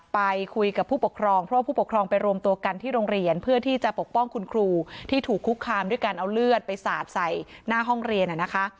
ไปคุยกับผู้ปกครองเพราะว่าผู้ปกครองไปรวมตัวกันที่โรงเรียนเพื่อที่จะปกป้องคุณครูที่ถูกคุกคามด้วยการเอาเลือดไปสาดใส่หน้าห้องเรียนนะคะ